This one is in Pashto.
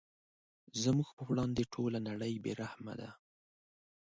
زموږ په وړاندې ټوله نړۍ بې رحمه ده.